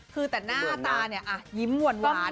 คือแต่หน้าตายิ้มหว่นหวาน